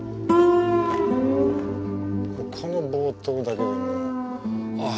この冒頭だけでもうああ。